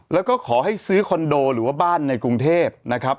แล้วก็ขอให้ซื้อคอนโดหรือว่าบ้านในกรุงเทพนะครับ